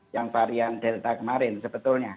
yang delta kemarin sebetulnya